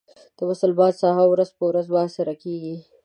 د مسلمانانو ساحه ورځ په ورځ محاصره کېږي.